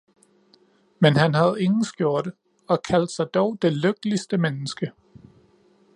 Men han havde ingen skjorte, og kaldte sig dog det lykkeligste menneske